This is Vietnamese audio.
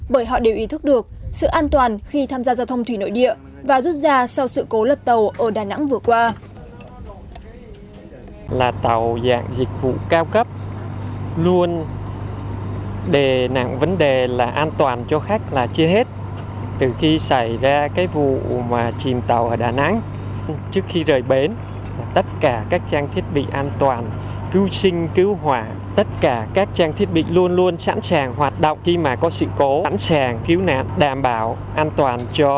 bởi họ đều ý thức được sự an toàn khi tham gia giao thông thủy nội địa và rút ra sau sự cố lật tàu ở đà nẵng vừa qua